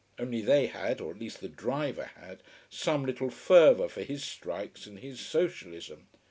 Only they had or at least the driver had some little fervour for his strikes and his socialism.